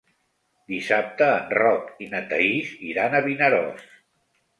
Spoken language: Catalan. Dissabte en Roc i na Thaís iran a Vinaròs.